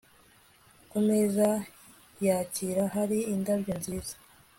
ku meza yakira hari indabyo nziza